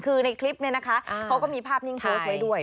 คือในคลิปนี้นะคะเขาก็มีภาพนิ่งโพสต์ไว้ด้วย